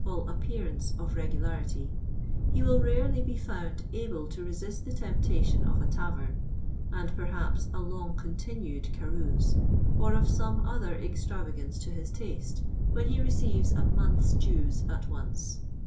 ill appear ance of iegnl:irity, he will rarely be fmnd able to resist the temptation of a tiivern, and, perhap*, a long continued carouse, or of some other extrava gance to hi^ tist", when he receives a month's dues at once.